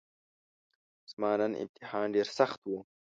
زما نن امتحان ډیرسخت وو